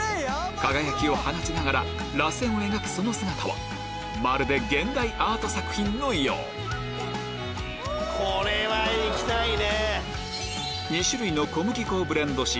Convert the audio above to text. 輝きを放ちながららせんを描くその姿はまるで現代アート作品のようこれは行きたいね。